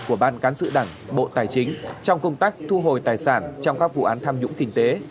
của ban cán sự đảng bộ tài chính trong công tác thu hồi tài sản trong các vụ án tham nhũng kinh tế